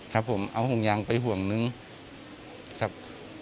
ครับผมเอาห่วงยางไปห่วงนึงครับ